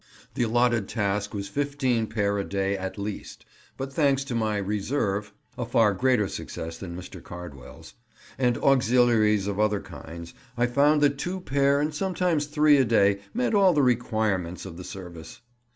The allotted task was 15 pair a day at least, but thanks to my "reserve" (a far greater success than Mr. Cardwell's), and "auxiliaries" of other kinds, I found that two pair and sometimes three a day met all the "requirements of the service."